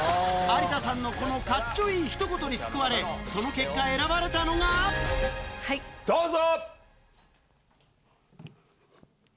有田さんのこのかっちょいいひと言に救われ、その結果、どうぞ！